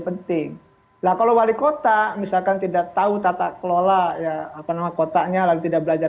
penting lah kalau wali kota misalkan tidak tahu tata kelola ya apa nama kotanya lalu tidak belajar